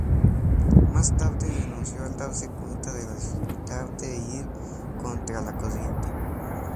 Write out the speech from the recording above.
Más tarde renunció al darse cuenta de la dificultad de ir contra la corriente.